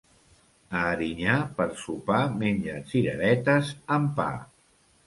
A Erinyà per sopar mengen cireretes amb pa.